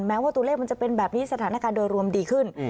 แม้ว่าตัวเลขมันจะเป็นแบบนี้สถานการณ์โดยรวมดีขึ้น